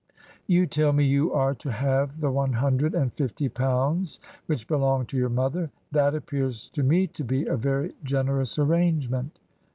" You tell me you are to have the one hundred and fifty pounds which belonged to your mother. That appears to me to be a very generous arrangement."